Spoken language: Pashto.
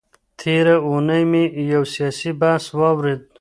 تېره اونۍ مي يو سياسي بحث واورېد.